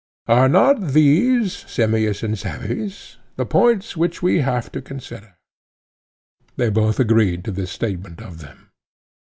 Are not these, Simmias and Cebes, the points which we have to consider? They both agreed to this statement of them.